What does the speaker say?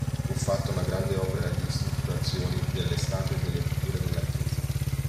Fu fatta una grande opera di ristrutturazione delle statue e delle pitture della chiesa.